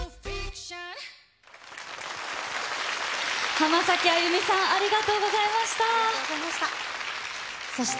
浜崎あゆみさん、ありがとうありがとうございました。